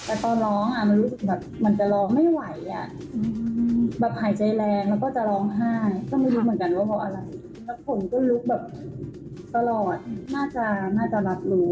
อะบอกแกว่าช่วยสลัดเชิญหนูช่วยเป็นตำราบใจให้หนู